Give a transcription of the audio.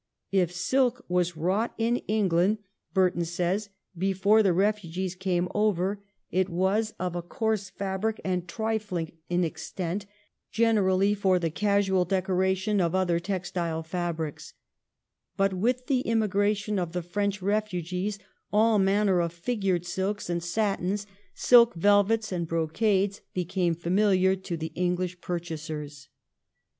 ' If silk was wrought in England,' Burton says, 'before the refugees came over, it was of a VOL. II. M 162 THE REIGN OF QUEEN ANNE. ch. xxvin. coarse fabric and trifling in extent, generally for the casual decoration of other textile fabrics.' But with the immigration of the French refugees all manner of figured silks and satins, silk velvets and brocades, became familiar to the English purchasers.